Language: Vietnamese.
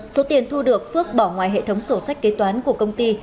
số tiền thu được phước bỏ ngoài hệ thống sổ sách kế toán của công ty